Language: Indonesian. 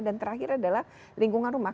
dan terakhir adalah lingkungan rumah